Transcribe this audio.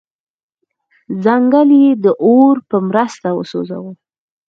ځنګل یې د اور په مرسته وسوځاوه.